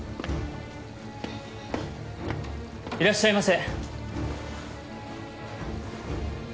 いらっしゃいませ。